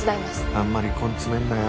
あんまり根詰めんなよ。